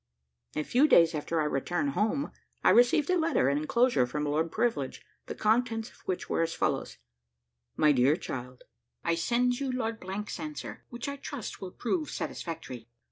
A few days after our return home, I received a letter and enclosure from Lord Privilege, the contents of which were as follows: "MY DEAR CHILD, "I send you Lord 's answer, which I trust will prove satisfactory.